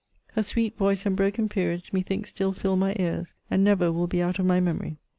Her sweet voice and broken periods methinks still fill my ears, and never will be out of my memory.